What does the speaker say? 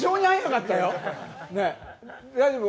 大丈夫？